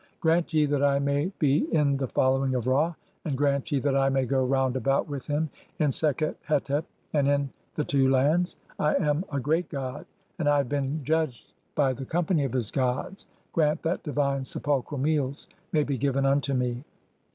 [Grant ye that I may be in the "following of Ra], and grant ye that I may go round about "with him in Sekhet hetep [and in] the two lands. (18) [I am] a "great god, and [I have been] judged by the companv of his gods; "grant that divine, sepulchral meals may be given unto me."